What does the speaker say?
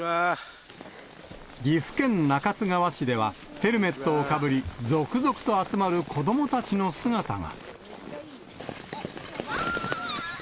岐阜県中津川市では、ヘルメットをかぶり、続々と集まる子どもたちの姿が。